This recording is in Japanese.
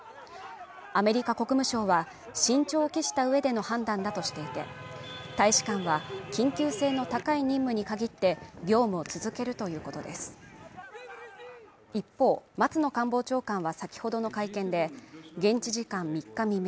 アメリカ国務省は慎重を期したうえでの判断だとしていて大使館は緊急性の高い任務に限って業務を続けるということです一方、松野官房長官は先ほどの会見で現地時間３日未明